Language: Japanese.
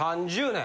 ３０年。